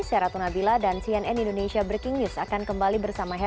saya ratu nabila dan cnn indonesia breaking news akan kembali bersama kami